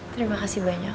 terima kasih banyak